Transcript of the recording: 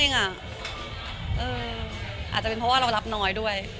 แฟนก็เหมือนละครมันยังไม่มีออนอะไรอย่างนี้มากกว่าอาจจะเป็นเพราะว่าเรารับน้อยด้วย